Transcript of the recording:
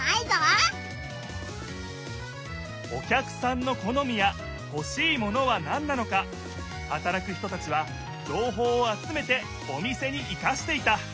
お客さんの好みやほしいものは何なのかはたらく人たちは情報を集めてお店に活かしていた！